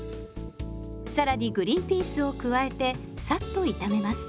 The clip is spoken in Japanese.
更にグリンピースを加えてさっと炒めます。